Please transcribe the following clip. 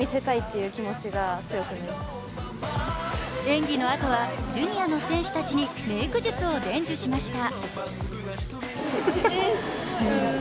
演技のあとはジュニアの選手たちにメーク術を伝授しました。